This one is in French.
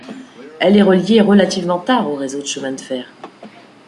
Elle est reliée relativement tard au réseau de chemin de fer.